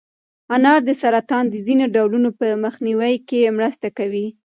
انار د سرطان د ځینو ډولونو په مخنیوي کې مرسته کوي.